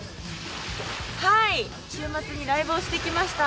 はい、週末にライブをしてきました。